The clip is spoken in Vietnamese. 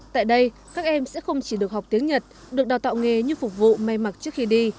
tại đây các em sẽ không chỉ được học tiếng nhật được đào tạo nghề như phục vụ may mặc trước khi đi